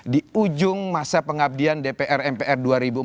di ujung masa pengabdian dpr mpr dua ribu empat belas dua ribu sembilan belas